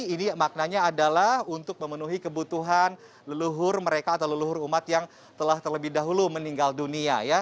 ini maknanya adalah untuk memenuhi kebutuhan leluhur mereka atau leluhur umat yang telah terlebih dahulu meninggal dunia ya